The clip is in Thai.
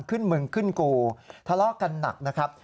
ขึ้นมึงขึ้นกูทะเลาะกันหนักนะครับ